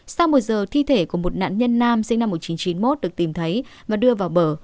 sau một giờ thi thể của một nạn nhân nam sinh năm một nghìn chín trăm chín mươi một được tìm thấy và đưa vào bờ